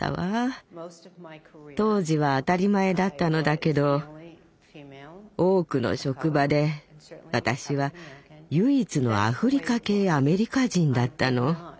当時は当たり前だったのだけど多くの職場で私は唯一のアフリカ系アメリカ人だったの。